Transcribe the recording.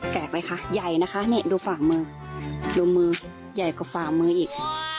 ไหมคะใหญ่นะคะนี่ดูฝ่ามือดูมือใหญ่กว่าฝ่ามืออีก